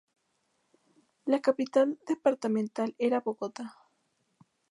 La capital departamental era Bogotá.